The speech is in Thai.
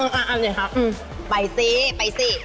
เอาอันนี้ครับไปสิไปสิ